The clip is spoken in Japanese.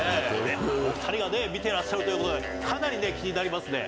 お２人がね見てらっしゃるということでかなりね気になりますね。